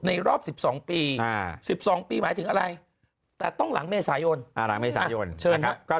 ในรอบ๑๒ปี๑๒ปีหมายถึงอะไรต้องหลังเมษายนหลังเมษายนก็